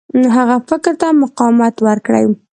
هغه فکر ته مقاومت ورکوي.